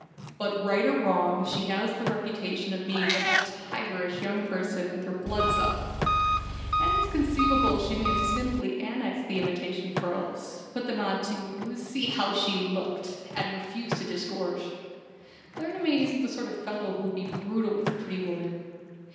But right or wrong, she has the reputation of being a tigerish young person when her blood's up. And it's conceivable she may simply have annexed the imitation pearls: put them on to 'see how she looked,' and refused to disgorge! Claremanagh isn't the sort of fellow who would be brutal with a pretty woman."